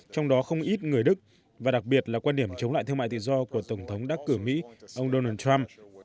trong đó không ít người đức và đặc biệt là quan điểm chống lại thương mại tự do của tổng thống đắc cử mỹ ông donald trump